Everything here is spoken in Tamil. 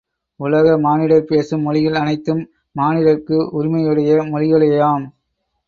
உலக மானிடர் பேசும் மொழிகள் அனைத்தும் மானிடர்க்கு உரிமையுடைய மொழிகளேயாம்.